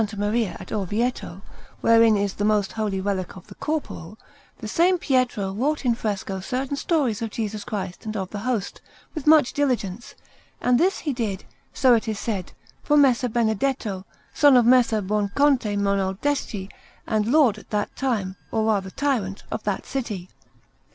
Maria at Orvieto, wherein is the most holy relic of the Corporal, the same Pietro wrought in fresco certain stories of Jesus Christ and of the Host, with much diligence; and this he did, so it is said, for Messer Benedetto, son of Messer Buonconte Monaldeschi and lord at that time, or rather tyrant, of that city.